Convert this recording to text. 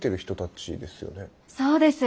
そうです。